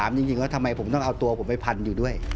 ผมจริงถามว่าทำไมผมต้องเอาตัวไปพันธุ์อยู่ด้วย